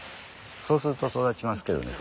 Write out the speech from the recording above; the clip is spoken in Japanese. そうすると育ちますけどね。